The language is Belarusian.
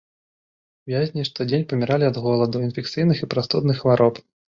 Вязні штодзень паміралі ад голаду, інфекцыйных і прастудных хвароб.